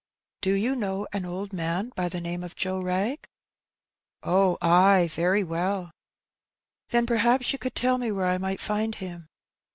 ^^ Do you know an old man by the name of Joe Wtag ?'*^^ Oh, ay, very well.'* "Then perhaps you could tell me where I might find him.''